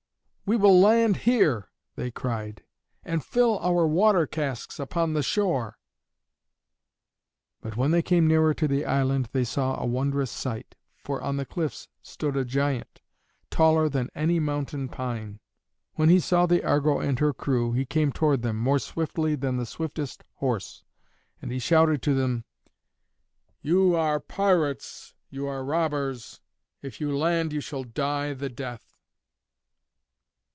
"We will land here," they cried, "and fill our water casks upon the shore." But when they came nearer to the island they saw a wondrous sight. For on the cliffs stood a giant, taller than any mountain pine. When he saw the Argo and her crew he came toward them, more swiftly than the swiftest horse, and he shouted to them, "You are pirates, you are robbers! If you land you shall die the death."